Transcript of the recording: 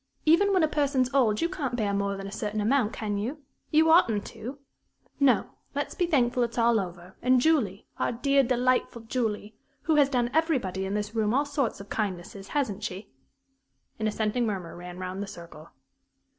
Even when a person's old you can't bear more than a certain amount, can you? You oughtn't to. No, let's be thankful it's all over, and Julie our dear, delightful Julie who has done everybody in this room all sorts of kindnesses, hasn't she?" An assenting murmur ran round the circle.